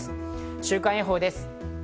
週間予報です。